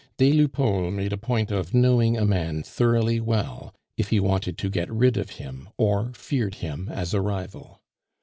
Des Lupeaulx made a point of knowing a man thoroughly well if he wanted to get rid of him or feared him as a rival.